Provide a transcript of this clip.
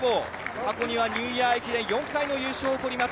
過去にはニューイヤー駅伝、４回の優勝を誇ります。